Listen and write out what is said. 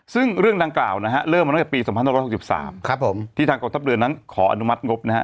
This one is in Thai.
ซึ่งเรื่องดังกล่าวนะฮะเริ่มมาตั้งแต่ปี๒๑๖๓ที่ทางกองทัพเรือนั้นขออนุมัติงบนะฮะ